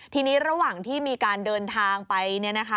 ทีนี้ระหว่างที่มีการเดินทางไป